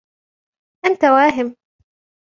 أنت واهِمٌ.